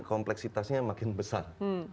kompleksitasnya makin besar